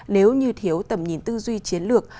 nếu như thiếu tầm nhìn tư duy chiến lược